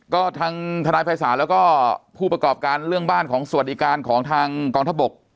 ก็ทางทนายภัยศาลแล้วก็ผู้ประกอบการเรื่องบ้านของสวัสดิการของทางกองทัพบก